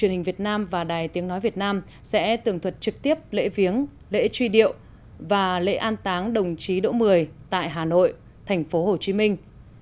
lễ tiến nói việt nam sẽ tường thuật trực tiếp lễ viếng lễ truy điệu và lễ an táng đồng chí đỗ mười tại hà nội thành phố hồ chí minh